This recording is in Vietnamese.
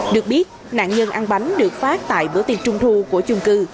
được biết nạn nhân ăn bánh được phát tại bữa tiệc trung thu của chung cư